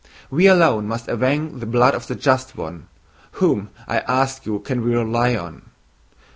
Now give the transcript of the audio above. We alone must avenge the blood of the just one.... Whom, I ask you, can we rely on?...